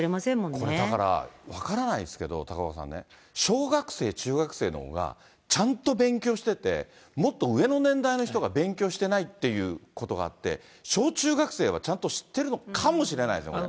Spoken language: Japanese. これ、だから、分からないですけど、高岡さんね、小学生、中学生のほうがちゃんと勉強してて、もっと上の年代の人が勉強してないっていうことがあって、小中学生はちゃんと知ってるのかもしれないですね、これ。